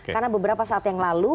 karena beberapa saat yang lalu